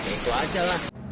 itu aja lah